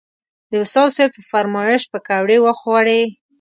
د وصال صیب په فرمایش پکوړې وخوړې.